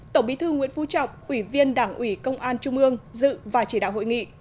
tổng bí thư nguyễn phú trọng ủy viên đảng ủy công an trung ương dự và chỉ đạo hội nghị